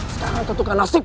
sekarang tentukan nasib